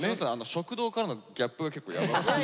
食堂からのギャップが結構やばかったですね。